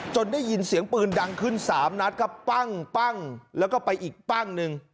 ได้ยินเสียงปืนดังขึ้น๓นัดครับปั้งแล้วก็ไปอีกปั้งหนึ่ง